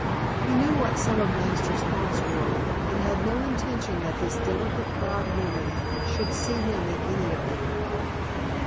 He knew what some of Masters' haunts were and had no intention that this delicate proud woman should see him in any of them.